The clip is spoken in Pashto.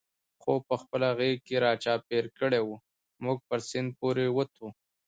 خوپ په خپله غېږ کې را چاپېر کړی و، موږ پر سیند پورې وتو.